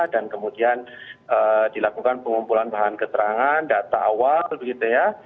dan kemudian dilakukan pengumpulan bahan keterangan data awal begitu ya